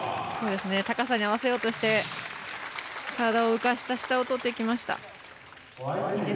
高さに合わせようとして体を浮かした下を通っていきました。